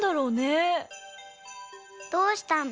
どうしたの？